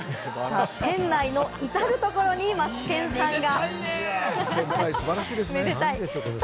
店内のいたる所にマツケンさんが！